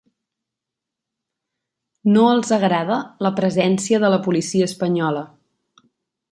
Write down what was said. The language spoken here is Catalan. No els agrada la presència de la policia espanyola.